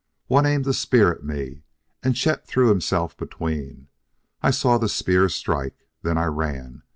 "One aimed a spear at me, and Chet threw himself between. I saw the spear strike then I ran.